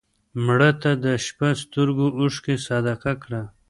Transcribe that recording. مړه ته د شپه سترګو اوښکې صدقه کړه